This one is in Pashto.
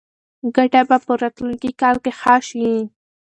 ګټه به په راتلونکي کال کې ښه شي.